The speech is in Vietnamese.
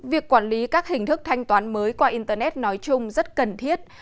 việc quản lý các hình thức thanh toán mới qua internet nói chung rất cần thiết